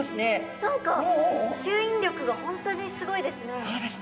何か吸引力が本当にすごいですね。